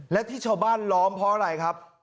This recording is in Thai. และที่ชาวบ้านล้อมเพราะอะไรครับ